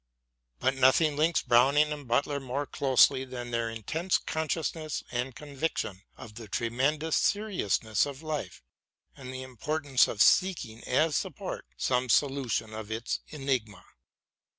But nothing links Browning and Butler more closely than their intense consciousness and con viction of the tremendous seriousness of life and the importance of seeking as support some solution of its enigma.